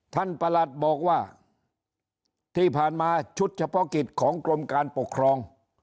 ประหลัดบอกว่าที่ผ่านมาชุดเฉพาะกิจของกรมการปกครอง